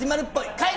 帰る！